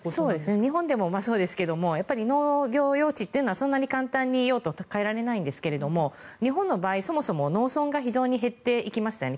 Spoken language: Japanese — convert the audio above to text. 日本でもそうですが農業用地というのはそんなに簡単に用途を変えられないんですが日本の場合、そもそも農村が非常に減っていきましたよね